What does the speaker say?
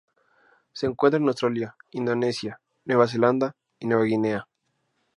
Se encuentra en Australia, Indonesia, Nueva Zelanda y Nueva Guinea.